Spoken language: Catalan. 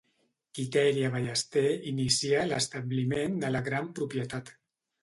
Quitèria Ballester inicià l'establiment de la gran propietat.